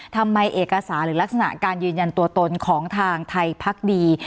เอกสารหรือลักษณะการยืนยันตัวตนของทางไทยพักดี